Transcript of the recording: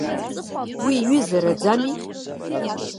Уи ҩызараӡами?